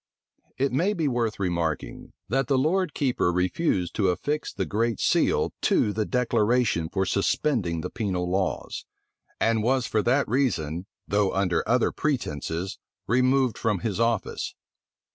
It may be worth remarking, that the lord keeper refused to affix the great seal to the declaration for suspending the penal laws; and was for that reason, though under other pretences removed from his office.